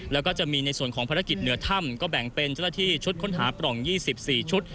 แล้วก็จะมีในส่วนของภารกิจเหนือถ้ำก็แบ่งเป็นเจ้าหน้าที่ชุดค้นหาปล่อง๒๔ชุด